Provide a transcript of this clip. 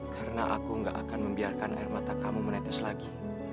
karena aku gak akan membiarkan air mata kamu menetes lagi